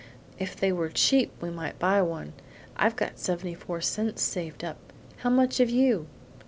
If they were cheap we might buy one. I've got seventy four cents saved up; how much have you?"